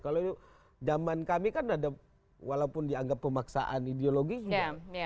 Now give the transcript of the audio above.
kalau zaman kami kan ada walaupun dianggap pemaksaan ideologi juga